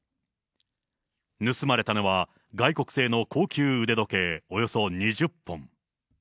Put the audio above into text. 盗まれたのは、外国製の高級腕時計およそ２０本。